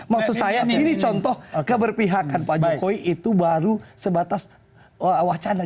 maksud saya ini contoh keberpihakan pak jokowi itu baru sebatas wacana